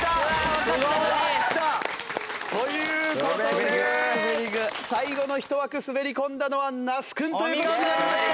わかったのに。という事で最後のひと枠滑り込んだのは那須君という事になりました。